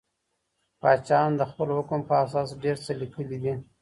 پاچاهانو د خپل حکم په اساس ډیر څه لیکلي دي.